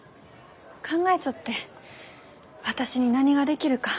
考えちょって私に何ができるか。